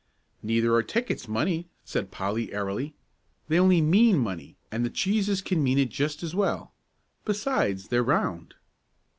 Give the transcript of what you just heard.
"Neither are tickets money," said Polly, airily; "they only mean money; and the cheeses can mean it just as well. Besides, they're round."